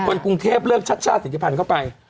คนกรุงเทพเริ่มชาชศิษยภัณฑ์เข้าไป